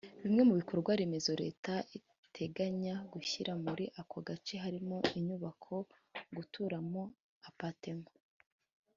Bimwe mu bikorwaremezo Leta iteganya gushyira muri ako gace harimo inyubako zo guturamo “Appartments”